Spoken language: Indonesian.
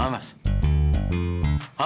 pak bangun pak